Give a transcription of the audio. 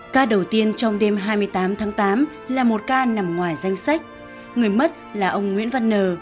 ca đầu tiên trong đêm hai mươi tám tháng tám là một ca nằm ngoài danh sách người mất là ông nguyễn văn nờ